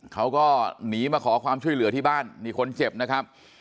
เขาก็หนีมาขอความช่วยเหลือที่บ้านนี่คนเจ็บนะครับ